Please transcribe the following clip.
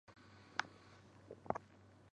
马兴是德国巴伐利亚州的一个市镇。